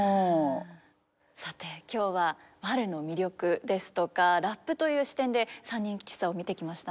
さて今日はワルの魅力ですとかラップという視点で「三人吉三」を見てきましたね。